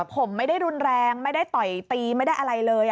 ผมไม่ได้รุนแรงไม่ได้ต่อยตีไม่ได้อะไรเลย